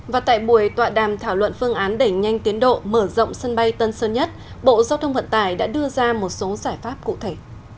và tại buổi tọa đàm thảo luận phương án đẩy nhanh tiến độ mở rộng sân bay tân sơn nhất bộ giao thông vận tải đã đưa ra một số giải pháp cụ thể